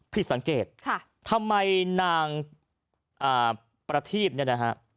ผิดสังเกตทำไมนางประทีพเนี่ยนะฮะ